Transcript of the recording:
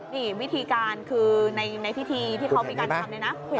นี่วิธีการคือในพิธีที่เขามีการทำเนี่ยนะ